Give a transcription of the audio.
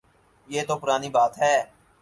یہ تو پرانی بات ہے۔